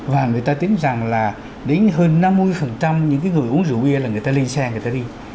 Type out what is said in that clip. và người ta tin rằng là đến hơn năm mươi những người uống rượu bia là người ta lên xe người ta đi